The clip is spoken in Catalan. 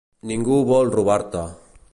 Ningú vol robar-te.